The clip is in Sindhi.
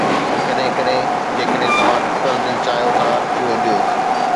ڪڏهن ڪڏهن، جيڪڏهن توهان ٽٽل دل چاهيو ٿا، اهو ڏيو